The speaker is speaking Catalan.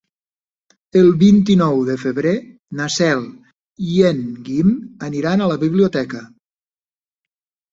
El vint-i-nou de febrer na Cel i en Guim aniran a la biblioteca.